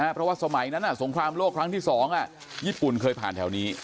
เพราะว่าสมัยนั้นสงครามโลกครั้งที่๒ญี่ปุ่นเคยผ่านแถวนี้